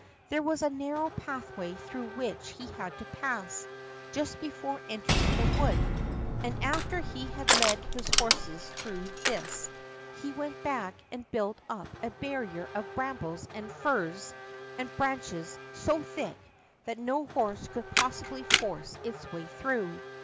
There was a narrow pathway through which he had to pass just before entering the wood, and after he had led his horses through this he went back and built up a barrier of brambles and furze and branches so thick that no horse could possibly force its way through.